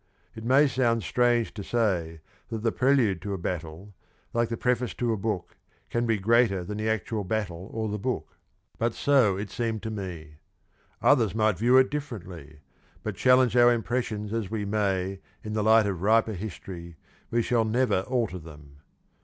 It may sound strange to say that the prelude to a battle, like the preface to a book, can be greater than the actual battle or the book. But so it seemed to me. Others might view it differently, but challenge our impressions as we may in the light of riper history, we shall never alter them.